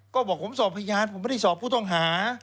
ก็บอกผมสอบพยานผมไม่ได้สอบผู้ต้องหา